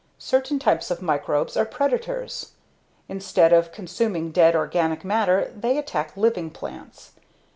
Certain types of microbes are predators. Instead of consuming dead organic matter they attack living plants.